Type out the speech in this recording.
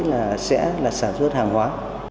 là sẽ là sản xuất hàng hóa